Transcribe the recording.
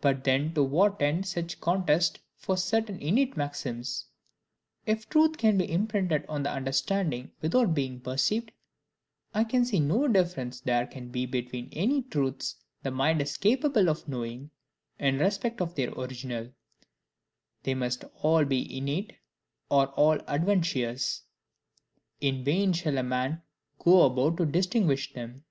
But then to what end such contest for certain innate maxims? If truths can be imprinted on the understanding without being perceived, I can see no difference there can be between any truths the mind is CAPABLE of knowing in respect of their original: they must all be innate or all adventitious: in vain shall a man go about to distinguish them.